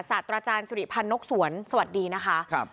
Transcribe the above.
ศาสตราจารย์สุริพันธ์นกสวนสวัสดีนะคะครับ